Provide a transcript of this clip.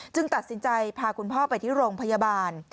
ตัดสินใจพาคุณพ่อไปที่โรงพยาบาล